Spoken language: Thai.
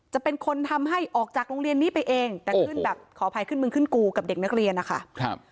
จะเป็นคนทำให้ออกจากโรงเรียนนี้ไปเองแต่ขึ้นแบบขออภัยขึ้นมึงขึ้นกูกับเด็กนักเรียนนะคะ